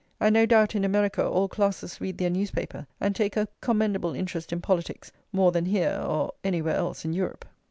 And, no doubt, in America all classes read their newspaper and take a commendable interest in politics more than here or anywhere else in Europe.